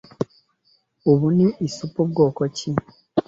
Ubu ni isupu bwoko ki?